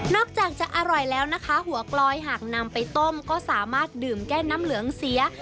จากจะอร่อยแล้วนะคะหัวกลอยหากนำไปต้มก็สามารถดื่มแก้น้ำเหลืองเสีย